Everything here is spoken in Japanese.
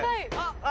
あ！